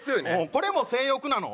これも性欲なの？